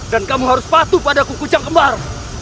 dan kamu harus patuh pada kucing kembar